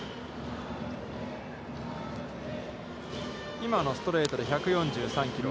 今のストレートで１４３キロ。